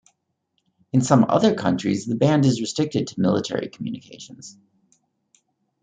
In some other countries, the band is restricted to military communications.